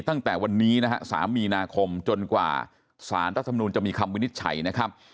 ตั้งแต่วันนี้นะฮะ๓มีนาคมจนกว่าสารรัฐมนุนจะมีคำวินิจฉัยนะครับ